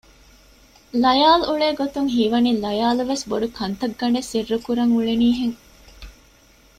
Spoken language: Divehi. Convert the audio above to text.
ލަޔާލް އުޅޭގޮތުން ހީވަނީ ލަޔާލުވެސް ބޮޑުކަންތައް ގަނޑެއް ސިއްރުކުރަން އުޅެނީ ހެން